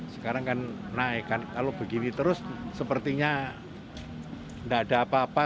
sekarang kan naik kalau begini terus sepertinya nggak ada apa apa